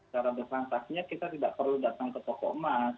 cara bertransaksinya kita tidak perlu datang ke toko emas